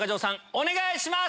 お願いします！